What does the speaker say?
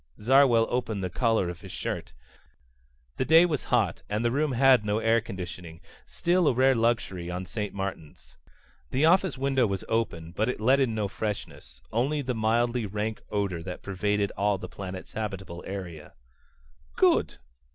Zarwell opened the collar of his shirt. The day was hot, and the room had no air conditioning, still a rare luxury on St. Martin's. The office window was open, but it let in no freshness, only the mildly rank odor that pervaded all the planet's habitable area. "Good."